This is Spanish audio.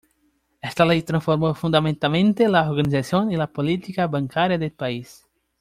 Esta Ley transformó fundamentalmente la organización y la política bancaria del país.